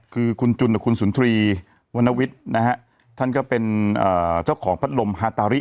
คือคุณจุนกับคุณสุนทรีวรรณวิทย์นะฮะท่านก็เป็นเจ้าของพัดลมฮาตาริ